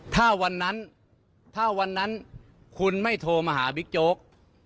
ถ้าวันนั้นถ้าวันนั้นคุณไม่โทรมาหาบิ๊กโจ๊ก